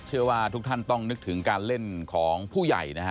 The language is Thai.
เชื่อว่าทุกท่านต้องนึกถึงการเล่นของผู้ใหญ่นะฮะ